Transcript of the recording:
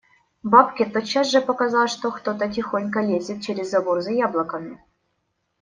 Бабке тотчас же показалось, что кто-то тихонько лезет через забор за яблоками.